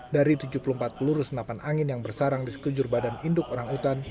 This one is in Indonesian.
dari tujuh puluh empat peluru senapan angin yang bersarang di sekujur badan induk orangutan